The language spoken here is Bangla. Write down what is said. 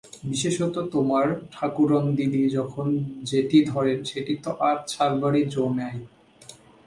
বিশেষত তোমার ঠাকরুনদিদি যখন যেটি ধরেন সে তো আর ছাড়াইবার জো নাই।